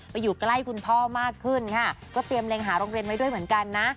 อยู่ใกล้คุณพ่อมากขึ้นค่ะก็เตรียมเล็งหาโรงเรียนไว้ด้วยเหมือนกันนะ